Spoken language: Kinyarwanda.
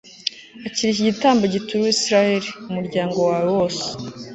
akira iki gitambo gituriwe israheli umuryango wawe wose